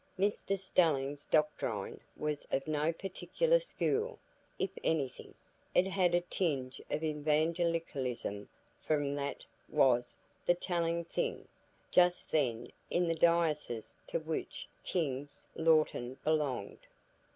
Mr Stelling's doctrine was of no particular school; if anything, it had a tinge of evangelicalism, for that was "the telling thing" just then in the diocese to which King's Lorton belonged.